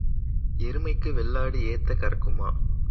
எருமைக்கு வெள்ளாடு ஏத்தக் கறக்குமா?